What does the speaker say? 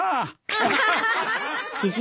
ハハハハ。